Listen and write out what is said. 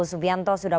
lebih tahu kamu